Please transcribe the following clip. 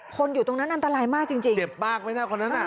คนอยู่ตรงนั้นอันตรายมากจริงจริงเจ็บมากไหมนะคนนั้นน่ะ